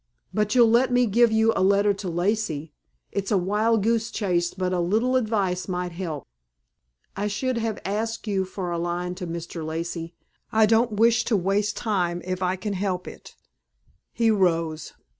"But you'll let me give you a letter to Lacey? It's a wild goose chase but a little advice might help." "I should have asked you for a line to Mr. Lacey. I don't wish to waste time if I can help it." He rose.